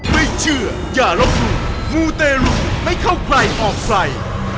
ไม่เชื่ออย่าลองรู้หมูเตรุไม่เข้าใกล้ออกไฟ